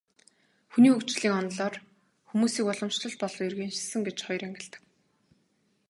Хүний хөгжлийн онолоор хүмүүсийг уламжлалт болон иргэншсэн гэж хоёр ангилдаг.